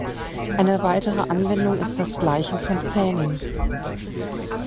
Eine weitere Anwendung ist das Bleichen von Zähnen.